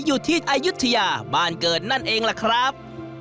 อายุทยาบ้านเกิดนั่นเองล่ะครับ